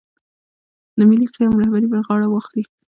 د ملي قیام رهبري پر غاړه واخلي.